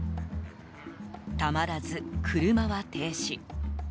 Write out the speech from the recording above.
たまらず車は停止。